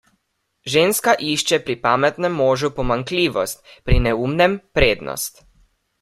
Ženska išče pri pametnem možu pomanjkljivost, pri neumnem prednosti.